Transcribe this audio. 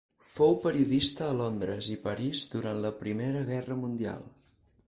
Fou periodista a Londres i París durant la Primera Guerra mundial.